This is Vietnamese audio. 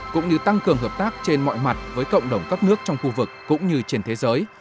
cũng như tăng cường hợp tác trên mọi mặt với cộng đồng các nước trong khu vực cũng như trên thế giới